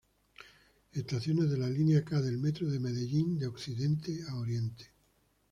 Estaciones de la Linea K del Metro de Medellín de occidente a oriente.